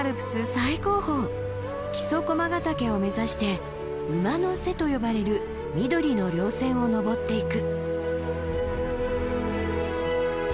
最高峰木曽駒ヶ岳を目指して「馬の背」と呼ばれる緑の稜線を登っていく。